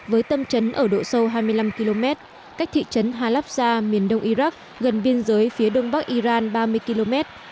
với tâm trấn ở độ sâu hai mươi năm km cách thị trấn halavsha miền đông iraq gần biên giới phía đông bắc iran ba mươi km